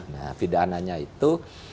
nah pidananya itu